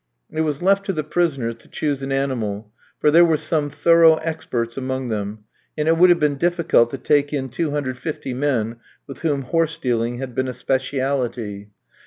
It was left to the prisoners to choose an animal, for there were some thorough experts among them, and it would have been difficult to take in 250 men, with whom horse dealing had been a speciality.